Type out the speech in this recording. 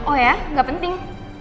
oh ya gak penting